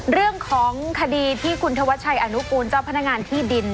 เรื่องของคดีที่คุณธวัชชัยอนุกูลเจ้าพนักงานที่ดิน